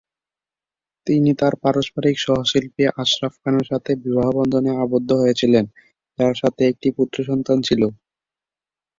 তিনি তাঁর প্রারম্ভিক সহশিল্পী আশরাফ খানের সাথে বিবাহ বন্ধনে আবদ্ধ হয়েছিলেন; যাঁর সাথে তাঁর একটি পুত্র সন্তান ছিল।